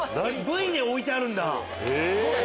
部位で置いてあるんだ。